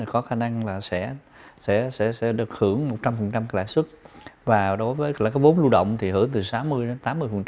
có khả năng là sẽ được hưởng một trăm linh lãi suất và đối với lãi cái vốn lưu động thì hưởng từ sáu mươi đến tám mươi